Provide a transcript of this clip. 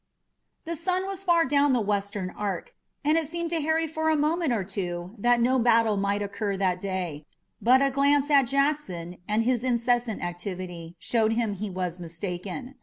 The sun was far down the western arch, and it seemed to Harry for a moment or two that no battle might occur that day, but a glance at Jackson and his incessant activity showed him he was mistaken.